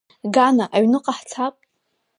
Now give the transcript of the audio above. Гана, аҩныҟа ҳцап!